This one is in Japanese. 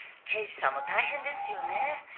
「刑事さんも大変ですよね」